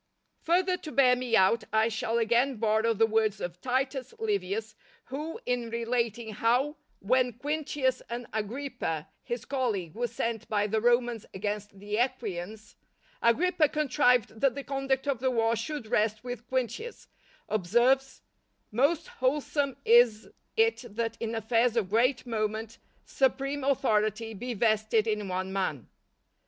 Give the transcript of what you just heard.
Further to bear me out I shall again borrow the words of Titus Livius, who, in relating how when Quintius and Agrippa his colleague were sent by the Romans against the Equians, Agrippa contrived that the conduct of the war should rest with Quintius, observes, "_Most wholesome is it that in affairs of great moment, supreme authority be vested in one man.